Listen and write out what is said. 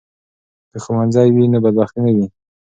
که ښوونځی وي نو بدبختي نه وي.